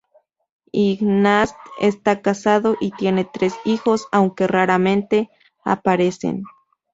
Ignatz está casado y tiene tres hijos, aunque raramente aparecen.